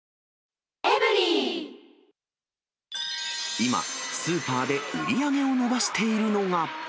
今、スーパーで売り上げを伸ばしているのが。